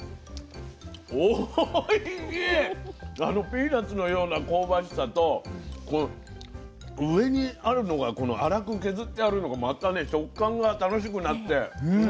ピーナツのような香ばしさと上にあるのがこの粗く削ってあるのがまたね食感が楽しくなってね。